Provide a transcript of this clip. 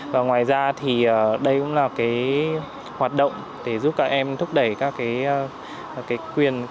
và ngoài ra thì đây cũng là cái hoạt động để giúp các em thúc đẩy các quyền